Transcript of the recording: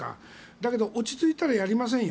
だけど、落ち着いたらやりませんよ。